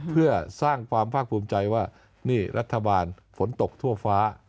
เพื่อสร้างความภาคภูมิใจว่านี่รัฐบาลฝนตกทั่วฟ้า